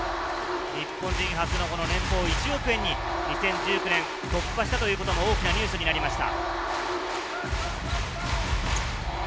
日本人初の年俸１億円に２０１９年、突破したというのも大きなニュースになりました。